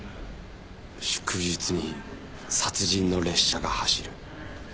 祝日に殺人の列車が走る。